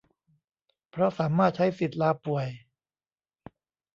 เพราะสามารถใช้สิทธิ์ลาป่วย